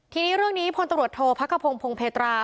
ทีนี้เรื่องนี้พลตำรวจโทษพระกระพงศพงเพตรา